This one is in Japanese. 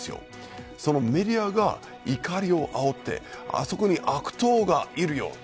そのメディアが怒りを煽ってあそこに悪党がいるよ。